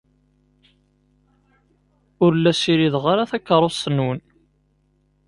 Ur la ssirideɣ ara takeṛṛust-nwen.